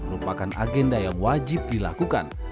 merupakan agenda yang wajib dilakukan